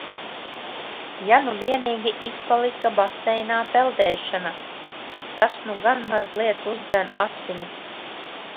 Ja nu vienīgi izpalika baseinā peldēšana, tas nu gan mazliet uzdzen asinis.